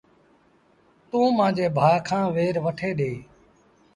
توݩ مآݩجي ڀآ کآݩ وير وٺي ڏي۔